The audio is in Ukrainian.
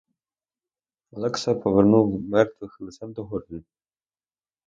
Олекса перевернув мертвих лицем догори.